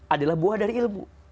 adalah buah dari ilmu